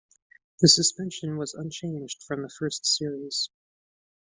The suspension was unchanged from the first series.